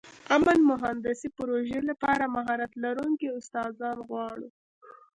امن مهندسي پروژې لپاره مهارت لرونکي استادان غواړو.